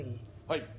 はい。